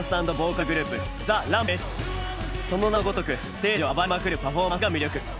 その名のごとくステージを暴れまくるパフォーマンスが魅力。